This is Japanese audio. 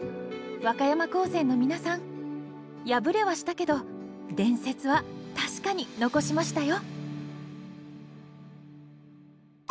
和歌山高専の皆さん敗れはしたけど伝説は確かに残しましたよ！